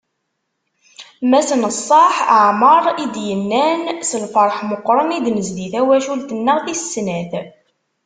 Mass Neṣṣaḥ Ɛmer, i d-yennan: “S lferḥ meqqren i d-nezdi tawcult-nneɣ tis snat."